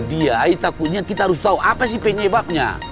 dia takutnya kita harus tahu apa sih penyebabnya